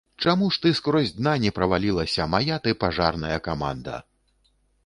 Чаму ж ты скрозь дна не правалілася, мая ты пажарная каманда!